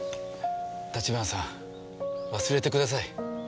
橘さん忘れてください。